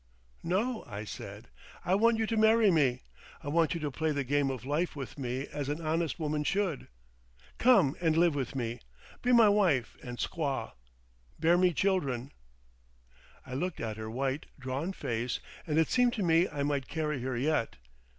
_" "No," I said. "I want you to marry me. I want you to play the game of life with me as an honest woman should. Come and live with me. Be my wife and squaw. Bear me children." I looked at her white, drawn face, and it seemed to me I might carry her yet.